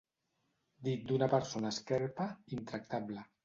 Dit d'una persona esquerpa, intractable.